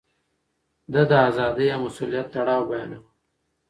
ده د ازادۍ او مسووليت تړاو بيانوه.